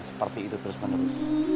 seperti itu terus menerus